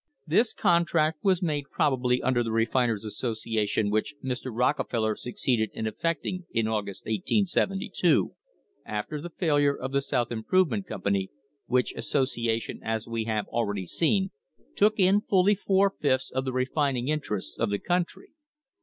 This contract was made probably under the Refiners' Association which Mr. Rockefeller succeeded in effecting in August, 1872, after the failure of the South Improvement Company, which associa tion, as we have already seen, took in fully four fifths of the refining interests of the country.